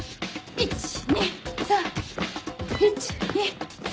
１・２・３。